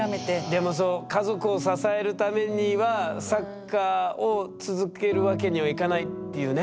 でもそう家族を支えるためにはサッカーを続けるわけにはいかないっていうね。